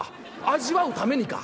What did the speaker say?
味わうためにか？